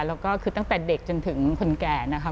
แล้วก็คือตั้งแต่เด็กจนถึงคนแก่นะคะ